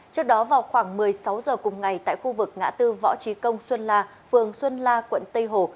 trước đó vào khoảng một mươi sáu h cùng ngày tại khu vực ngã tư võ trí công xuân la phường xuân la quận tây hồ